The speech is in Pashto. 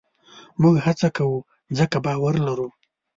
موږ هڅه کوو؛ ځکه باور لرو.